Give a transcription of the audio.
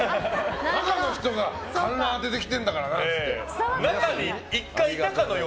中の人が観覧当ててきてるんだからなって。